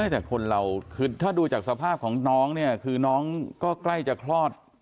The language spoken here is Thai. ถ้าดูจากสภาพของน้องเนี่ยคือน้องก็ใกล้จะคลอด